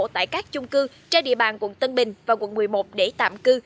tại các chung cư trên địa bàn quận tân bình và quận một mươi một để tạm cư